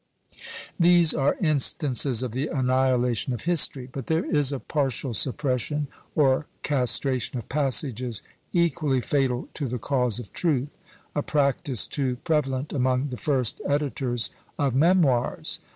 These are instances of the annihilation of history; but there is a partial suppression, or castration of passages, equally fatal to the cause of truth; a practice too prevalent among the first editors of memoirs.